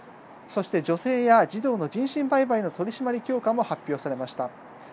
そして、女性や児童の人身売買の取り締まり強化も発表されました。